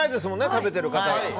食べてる方が。